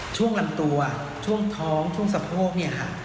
ช่วงลำตัวช่วงท้องช่วงสะโพกเนี่ยค่ะ